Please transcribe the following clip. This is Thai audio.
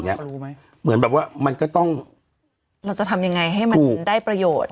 รู้ไหมเหมือนแบบว่ามันก็ต้องเราจะทำยังไงให้มันได้ประโยชน์